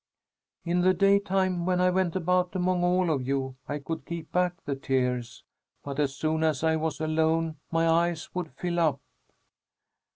In the daytime, when I went about among all of you, I could keep back the tears, but as soon as I was alone my eyes would fill up."